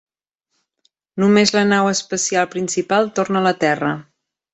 Només la nau espacial principal torna a la Terra.